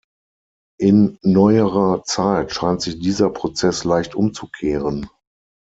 In neuerer Zeit scheint sich dieser Prozess leicht umzukehren.